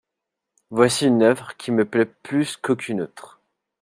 Voici une œuvre qui me plait plus qu’aucune autre.